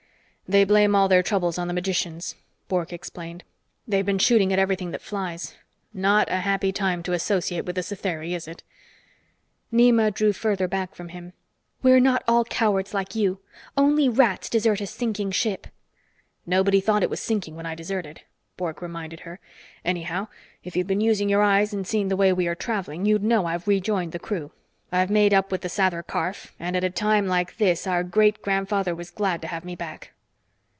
"They blame all their troubles on the magicians," Bork explained. "They've been shooting at everything that flies. Not a happy time to associate with the Satheri, is it?" Nema drew further back from him. "We're not all cowards like you! Only rats desert a sinking ship." "Nobody thought it was sinking when I deserted," Bork reminded her. "Anyhow, if you'd been using your eyes and seen the way we are traveling, you'd know I've rejoined the crew. I've made up with the Sather Karf and at a time like this, our great grandfather was glad to have me back!"